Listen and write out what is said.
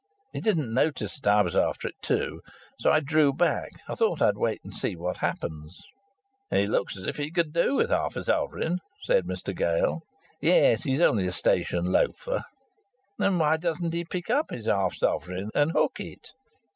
He didn't notice that I was after it too. So I drew back. I thought I'd wait and see what happens." "He looks as if he could do with half a sovereign," said Mr Gale. "Yes; he's only a station loafer." "Then why doesn't he pick up his half sovereign and hook it?"